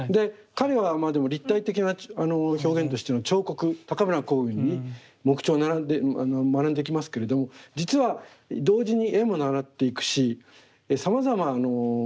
彼はまあでも立体的な表現としての彫刻高村光雲に木彫を学んできますけれども実は同時に絵も習っていくしさまざま